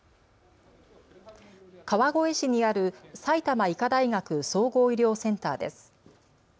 川越市にある埼玉医科大学総合医療センターです。